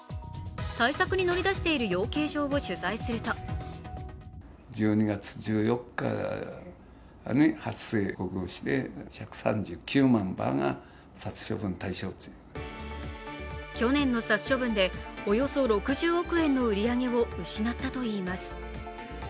対策に乗り出している養鶏場を取材すると去年の殺処分でおよそ６０億円の売り上げを失ったといいます。